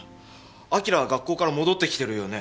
輝は学校から戻ってきてるよね？